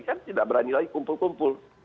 kan tidak berani lagi kumpul kumpul